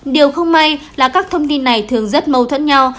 điều không may là các thông tin này thường rất mâu thuẫn nhau